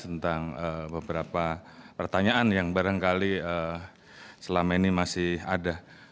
tentang beberapa pertanyaan yang barangkali selama ini masih ada